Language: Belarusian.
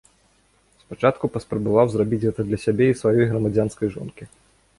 Спачатку паспрабаваў зрабіць гэта для сябе і сваёй грамадзянскай жонкі.